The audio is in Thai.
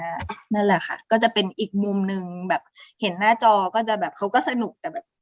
นั่นแหละค่ะก็จะเป็นอีกมุมหนึ่งแบบเห็นหน้าจอก็จะแบบเขาก็สนุกแต่แบบ